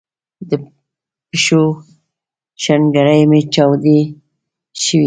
د پښو ښنګري می چاودی شوي